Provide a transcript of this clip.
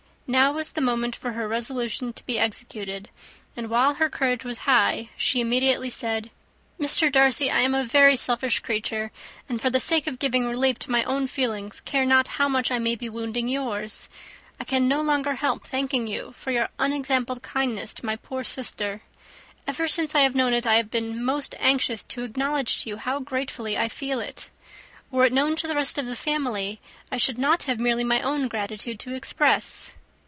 Now was the moment for her resolution to be executed; and while her courage was high, she immediately said, "Mr. Darcy, I am a very selfish creature, and for the sake of giving relief to my own feelings care not how much I may be wounding yours. I can no longer help thanking you for your unexampled kindness to my poor sister. Ever since I have known it I have been most anxious to acknowledge to you how gratefully I feel it. Were it known to the rest of my family I should not have merely my own gratitude to express."